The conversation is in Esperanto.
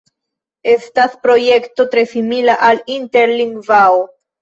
Estas projekto tre simila al Interlingvao.